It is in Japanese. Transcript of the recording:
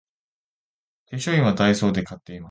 化粧品はダイソーで買っています